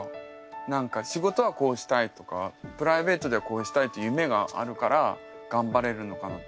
何か仕事はこうしたいとかプライベートではこうしたいって夢があるからがんばれるのかなって